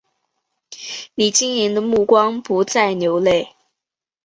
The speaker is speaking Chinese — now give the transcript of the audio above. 你晶莹的目光不再流泪